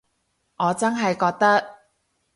我真係覺得